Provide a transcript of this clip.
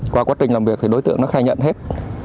qua quá trình làm việc thì đối tượng nó khai nhận hết